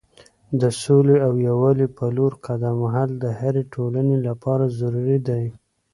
د سولې او یووالي په لور قدم وهل د هرې ټولنې لپاره ضروری دی.